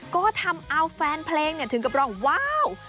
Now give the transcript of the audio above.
ก็ทำเอาแฟนเพลงเนี่ยถึงกระขว้างว้าว